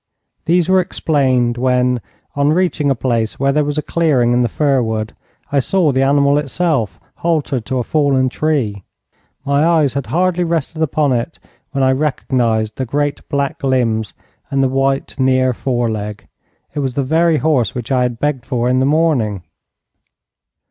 These were explained when, on reaching a place where there was a clearing in the fir wood, I saw the animal itself haltered to a fallen tree. My eyes had hardly rested upon it, when I recognized the great black limbs and the white near fore leg. It was the very horse which I had begged for in the morning.